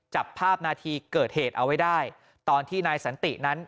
จับภาพนาทีเกิดเหตุเอาไว้ได้ตอนที่นายสันตินั้น